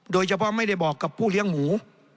ไม่ได้บอกกับผู้เลี้ยงหมู